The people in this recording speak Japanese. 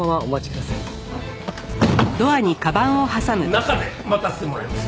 中で待たせてもらいます。